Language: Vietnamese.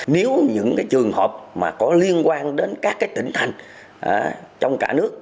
nếu những trường hợp mà có liên quan đến các tỉnh thành trong cả nước